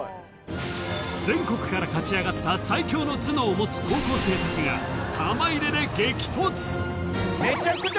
全国から勝ち上がった最強の頭脳を持つ高校生たちが玉入れで激突！